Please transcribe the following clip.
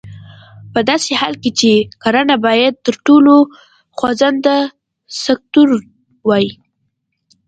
په داسې حال کې چې کرنه باید تر ټولو خوځنده سکتور وای.